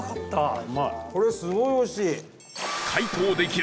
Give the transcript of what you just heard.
伊達：これ、すごいおいしい！